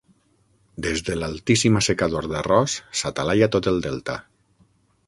Des de l'altíssim assecador d'arròs s'atalaia tot el delta.